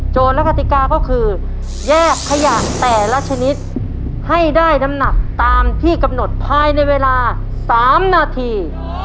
และกติกาก็คือแยกขยะแต่ละชนิดให้ได้น้ำหนักตามที่กำหนดภายในเวลา๓นาที